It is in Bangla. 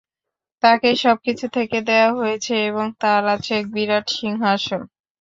তাকে সবকিছু থেকে দেয়া হয়েছে এবং তার আছে এক বিরাট সিংহাসন।